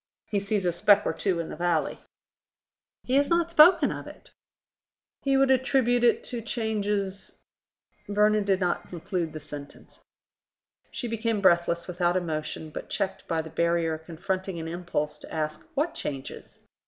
He sees a speck or two in the valley." "He has not spoken of it." "He would attribute it to changes ..." Vernon did not conclude the sentence. She became breathless, without emotion, but checked by the barrier confronting an impulse to ask, what changes?